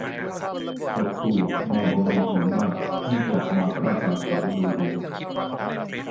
สักตัวมาบำรุงผิวหน้าให้กลับมากระจ่างใสโดยด่วน